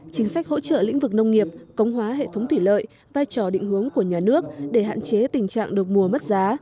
chính sách hỗ trợ lĩnh vực nông nghiệp công hóa hệ thống thủy lợi vai trò định hướng của nhà nước để hạn chế tình trạng được mùa mất giá